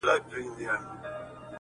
پوه نه سوم چي څنګه مي جانان راسره وژړل-